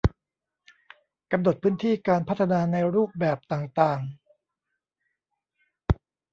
กำหนดพื้นที่การพัฒนาในรูปแบบต่างต่าง